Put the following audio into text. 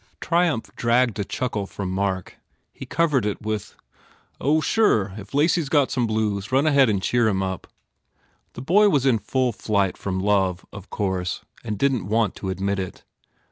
Triumph dragged a chuckle from Mark. He covered it with, "Oh, sure! If Lacy s got the blues, run ahead out and cheer him up." The boy was in full flight from love, of course, and didn t want to admit it.